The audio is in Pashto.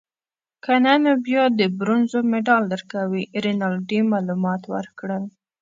که نه نو بیا د برونزو مډال درکوي. رینالډي معلومات ورکړل.